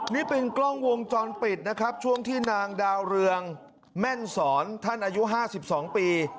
นี่เป็นกล้องวงจรปิดนะครับช่วงที่นางดาวเรืองแม่นสอนท่านอายุ๕๒ปี